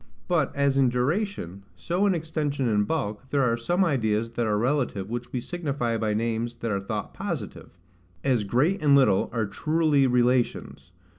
But as in duration, so in extension and bulk, there are some ideas that are relative which we signify by names that are thought positive; as GREAT and LITTLE are truly relations.